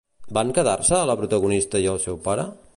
Van quedar-se la protagonista i el seu pare?